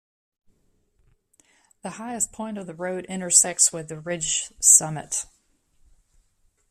The highest point of the road intersects with the ridge summit.